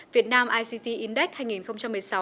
việt nam ict index hai nghìn một mươi sáu